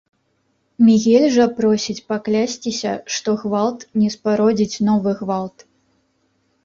Мігель жа просіць паклясціся, што гвалт не спародзіць новы гвалт.